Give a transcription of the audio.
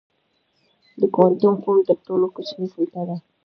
د کوانټم فوم تر ټولو کوچنۍ سطحه ده.